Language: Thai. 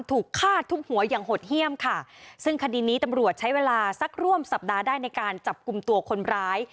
ถูกฆ่าทุบหัวอย่างหดเยี่ยมค่ะซึ่งคดีนี้ตำรวจใช้เวลาสักร่วมสัปดาห์ได้ในการจับกลุ่มตัวคนร้าย